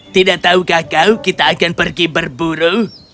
tidak tahukah kau kita akan pergi berburu